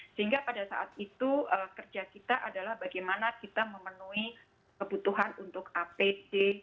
sehingga pada saat itu kerja kita adalah bagaimana kita memenuhi kebutuhan untuk apd